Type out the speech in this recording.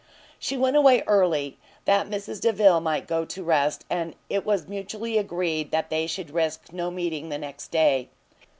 She went away early, that Mrs Delvile might go to rest, and it was mutually agreed they should risk no meeting the next day.